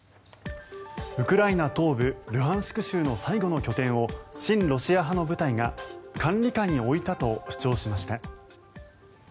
ウクライナ東部ルハンシク州の最後の拠点を親ロシア派の部隊が管理下に置いたと主張しました。